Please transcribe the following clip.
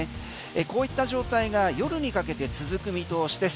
こういった状態が夜にかけて続く見通しです。